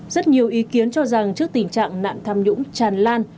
rất nhiều ý kiến cho rằng trước tình trạng nạn tham nhũng tràn lan